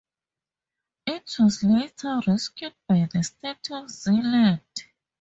It was later rescued by the State of Zeeland.